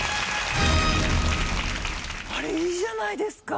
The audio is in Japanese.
あれいいじゃないですか。